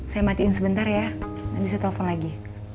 saya matiin sebentar ya nanti saya telepon lagi